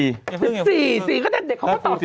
สิบสี่สิบสี่เดี๋ยวเขาก็ตอบสิบสี่